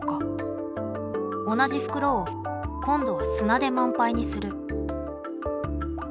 同じ袋を今度は砂で満杯にする。